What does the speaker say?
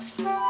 dan orang lain